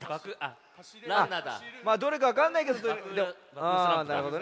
まあどれかわかんないけどあなるほどね。